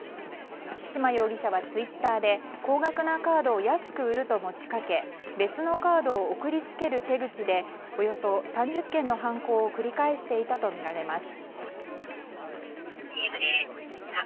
千島容疑者はツイッターで高額なカードを安く売ると持ち掛け別のカードを送り付ける手口でおよそ３０件の犯行を繰り返していたとみられています。